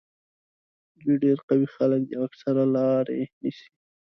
دوی ډېر قوي خلک دي او اکثره لارې نیسي.